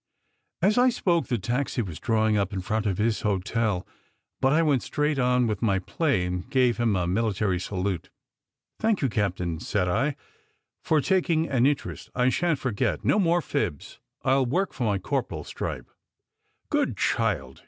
As I spoke, the taxi was drawing up in front of his hotel; but I went straight on with my play, and gave him a mili tary salute. "Thank you, Captain," said I, "for taking an interest. I shan t forget. No more fibs ! I ll work for my corporal s stripe!" "Good child!"